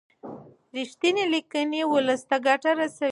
رښتینې لیکنې ولس ته ګټه رسوي.